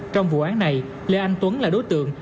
trong vụ án này lê anh tuấn là đối tượng